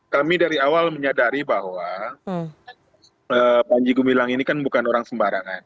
kami dari awal menyadari bahwa panji gumilang ini kan bukan orang sembarangan